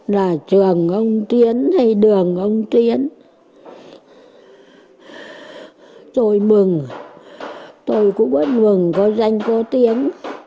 là trường ông tiến hay đường ông tiến tôi mừng tôi cũng mất mừng có danh cô tiến